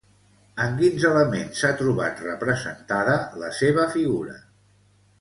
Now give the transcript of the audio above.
En quins elements s'ha trobat representada la seva figura?